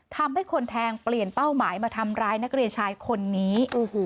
ทำให้คนแทงเปลี่ยนเป้าหมายมาทำร้ายนักเรียนชายคนนี้